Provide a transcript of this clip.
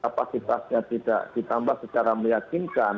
kapasitasnya tidak ditambah secara meyakinkan